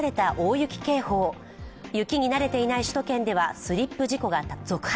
雪に慣れていない首都圏ではスリップ事故が続発。